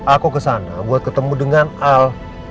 aku kesana buat ketemu dengan al